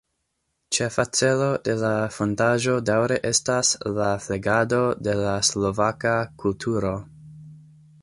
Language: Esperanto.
Ĉefa celo de la fondaĵo daŭre estas la flegado de la slovaka kulturo.